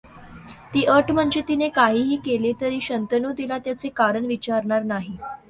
ती अट म्हणजे तिने काहीही केले तरी शंतनू तिला त्याचे कारण विचारणार नाही.